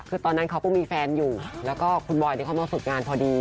คือตอนนั้นเขาก็มีแฟนอยู่แล้วก็คุณบอยที่เขามาฝึกงานพอดี